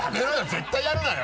絶対やるなよ！